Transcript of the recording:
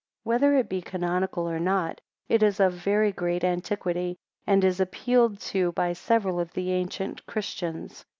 Whether it be canonical or not, it is of very great antiquity, and is appealed to by several of the ancient Christians.